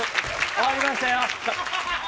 終わりましたよ。